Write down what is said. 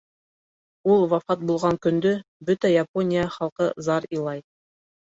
Ул вафат булған көндә бөтөн Япония халҡы зар илай.